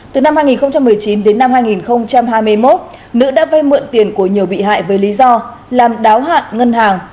từ năm hai nghìn một mươi chín đến năm hai nghìn hai mươi một nữ đã vay mượn tiền của nhiều bị hại với lý do làm đáo hạn ngân hàng